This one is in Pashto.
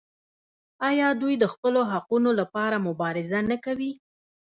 آیا دوی د خپلو حقونو لپاره مبارزه نه کوي؟